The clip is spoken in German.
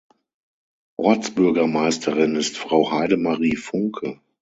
Ortsbürgermeisterin ist Frau Heidemarie Funke.